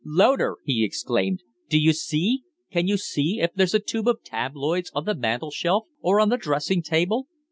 "Loder," he exclaimed, "do you see can you see if there's a tube of tabloids on the mantel shelf or on the dressing table?"